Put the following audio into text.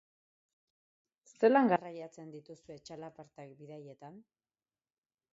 Zelan garraiatzen dituzue txalapartak bidaietan?